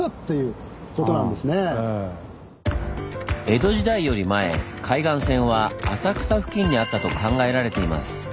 江戸時代より前海岸線は浅草付近にあったと考えられています。